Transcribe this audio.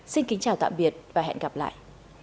xin kính chào tạm biệt và hẹn gặp lại